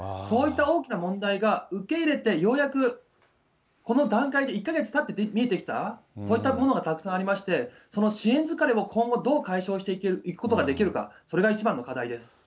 そういった大きな問題が、受け入れてようやくこの段階で、１か月たって見えてきた、そういったものがたくさんありまして、その支援疲れも今後、どう解消していくことができるか、それが一番の課題です。